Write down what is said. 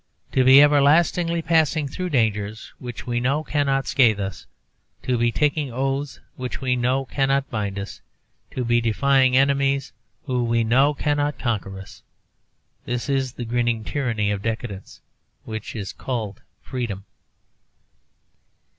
To be everlastingly passing through dangers which we know cannot scathe us, to be taking oaths which we know cannot bind us, to be defying enemies who we know cannot conquer us this is the grinning tyranny of decadence which is called freedom.